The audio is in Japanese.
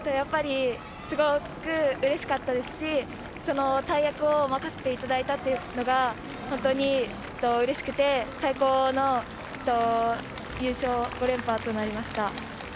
すごくうれしかったですし、大役を任せてもらったのが本当にうれしくて最高の優勝、５連覇となりました。